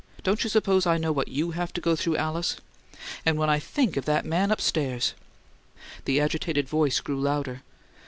Don't you suppose I know what YOU have to go through, Alice? And when I think of that man upstairs " The agitated voice grew louder.